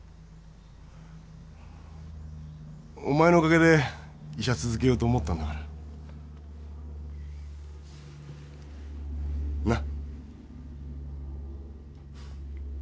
お前のおかげで医者続けようと思ったんだからなッ？